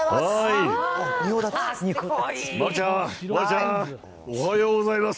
丸ちゃん、丸ちゃん、おはようございます。